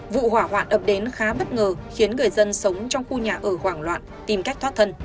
vụ hỏa hoạn ập đến khá bất ngờ khiến người dân sống trong khu nhà ở hoảng loạn tìm cách thoát thân